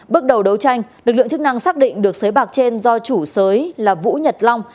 bước đầu đấu tranh lực lượng chức năng xác định được xới bạc trên do chủ sới là vũ nhật long